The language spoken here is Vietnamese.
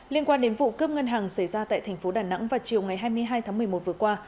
liên quan đến vụ cướp ngân hàng xảy ra tại thành phố đà nẵng vào chiều ngày hai mươi hai tháng một mươi một vừa qua